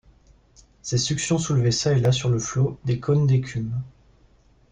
Ces succions soulevaient çà et là sur le flot des cônes d’écume.